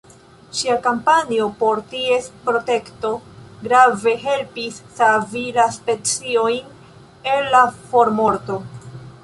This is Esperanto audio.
Ŝia kampanjo por ties protekto grave helpis savi la speciojn el la formorto.